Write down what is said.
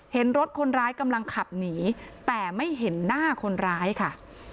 เห็นรถคนร้ายกำลังขับหนีแต่ไม่เห็นหน้าคนร้ายค่ะ